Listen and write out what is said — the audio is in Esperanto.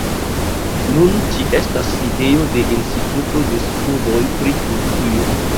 Nun ĝi estas sidejo de instituto de studoj pri Turkujo.